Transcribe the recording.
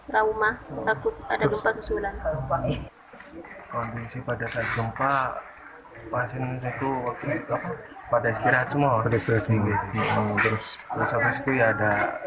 rumah sakit pintarannya agak keras panik di luar ruangan